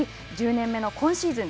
１０年目の今シーズン